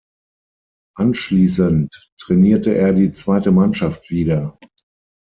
Anschließend trainierte er die zweite Mannschaft wieder.